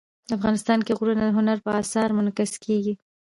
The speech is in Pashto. افغانستان کې غرونه د هنر په اثار کې منعکس کېږي.